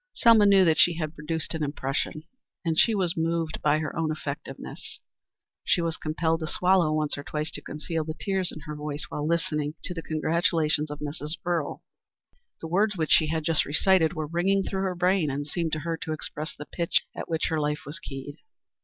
Selma knew that she had produced an impression and she was moved by her own effectiveness. She was compelled to swallow once or twice to conceal the tears in her voice while listening to the congratulations of Mrs. Earle. The words which she had just recited were ringing through her brain and seemed to her to express the pitch at which her life was keyed.